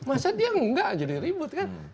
masa dia enggak jadi ribut kan